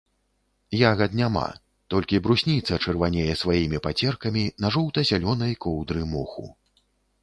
Ягад няма, толькі брусніца чырванее сваімі пацеркамі на жоўта-зялёнай коўдры моху.